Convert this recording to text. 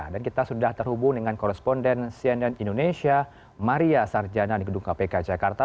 dan kita sudah terhubung dengan korresponden cnn indonesia maria sarjana di gedung kpk jakarta